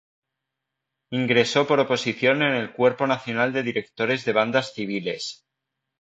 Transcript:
Ingresó por oposición en el Cuerpo Nacional de Directores de Bandas Civiles.